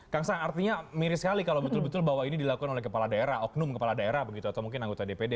kang saan artinya mirip sekali kalau betul betul bahwa ini dilakukan oleh kepala daerah oknum kepala daerah begitu atau mungkin anggota dpd